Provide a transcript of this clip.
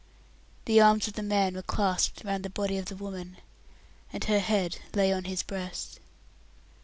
The arms of the man were clasped round the body of the woman, and her head lay on his breast.